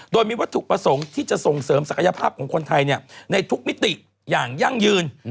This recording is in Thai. โดยมีวัตถุประสงค์ที่จะส่งเสริมศักยภาพของคนไทยในทุกมิติอย่างยั่งยืน